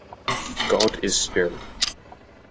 God is Spirit.